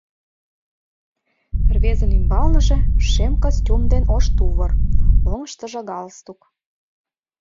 Рвезын ӱмбалныже шем костюм ден ош тувыр, оҥыштыжо галстук.